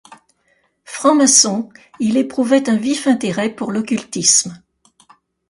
Franc-maçon, il éprouvait un vif intérêt pour l’occultisme.